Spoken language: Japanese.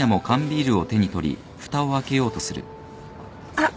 あっ！